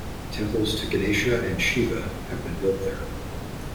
Temples to Ganesha and Shiva have been built there.